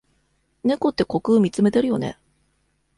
猫って虚空みつめてるよね。